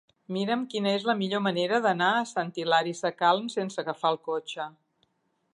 Mira'm quina és la millor manera d'anar a Sant Hilari Sacalm sense agafar el cotxe.